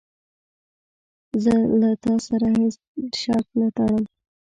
زه له تا سره هیڅ شرط نه ټړم.